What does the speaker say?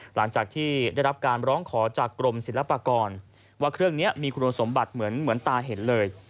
หลังจากที่ได้รับการร้องขอจากกรมศิลปากรว่าเครื่องนี้มีคุณสมบัติเหมือนตาเห็นเลย